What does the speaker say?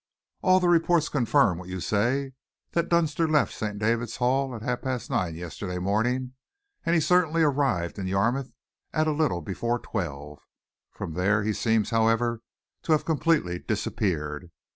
All the reports confirm what you say that Dunster left St. David's Hall at half past nine yesterday morning, and he certainly arrived in Yarmouth at a little before twelve. From there he seems, however, to have completely disappeared.